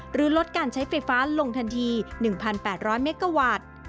ลดการใช้ไฟฟ้าลงทันที๑๘๐๐เมกาวัตต์